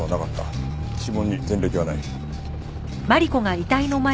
指紋に前歴はない。